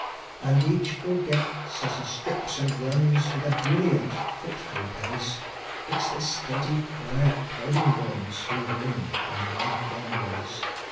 And each forgets, as he strips and runs With a brilliant, fitful pace, It's the steady, quiet, plodding ones Who win in the lifelong race.